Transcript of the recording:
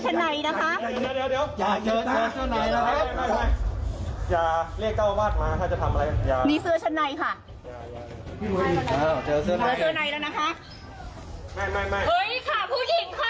พี่ค่ะไม่ทันแล้วค่ะเห็นหมดแล้วเสื้อชันในที่ตกอยู่นี่ค่ะ